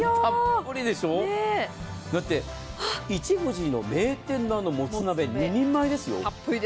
だって一藤の名店のもつ鍋２人前ですよ。